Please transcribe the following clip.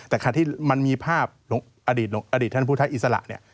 แต่คราวที่มันมีภาพหลวงอดิตหลวงอดิตท่านภูทัยอิสระ